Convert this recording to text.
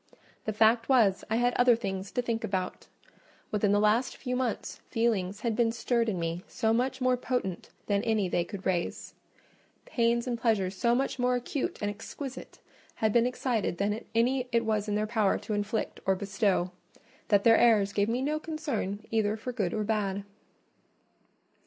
The fact was, I had other things to think about; within the last few months feelings had been stirred in me so much more potent than any they could raise—pains and pleasures so much more acute and exquisite had been excited than any it was in their power to inflict or bestow—that their airs gave me no concern either for good or bad.